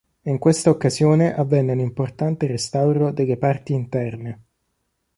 In questa occasione, avvenne un importante restauro delle parti interne.